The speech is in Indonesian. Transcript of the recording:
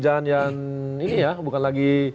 jalan yang ini ya bukan lagi